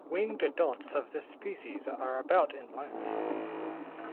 Winged adults of this species are about in length.